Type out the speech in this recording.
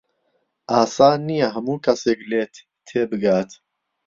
ئاسان نییە هەموو کەسێک لێت تێبگات.